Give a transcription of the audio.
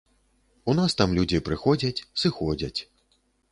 У нас там людзі прыходзяць, сыходзяць.